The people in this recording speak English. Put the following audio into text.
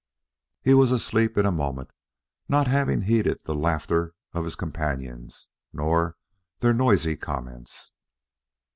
He was asleep in a moment, not having heeded the laughter of his companions, nor their noisy comments.